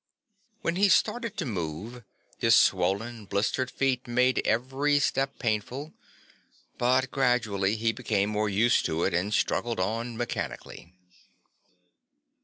When he started to move, his swollen blistered feet made every step painful, but gradually he became more used to it and struggled on mechanically.